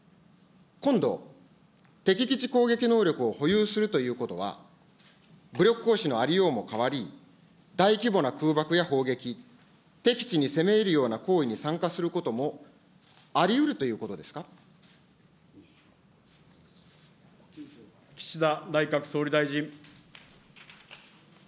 今度、敵基地攻撃能力を保有するということは、武力行使のありようも変わり、大規模な空爆や砲撃、敵地に攻め入るような行為に参加することもありうるということで岸田内閣総理大臣。